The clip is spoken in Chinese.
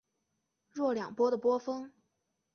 若两波的波峰。